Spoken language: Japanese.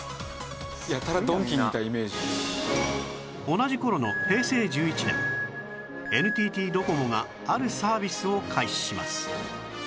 同じ頃の平成１１年 ＮＴＴ ドコモがあるサービスを開始します